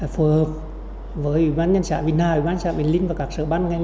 phù hợp với ủy ban nhân dân xã vĩnh hà ủy ban nhân dân xã bình linh và các sở bán ngay